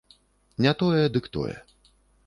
Не тое, дык тое.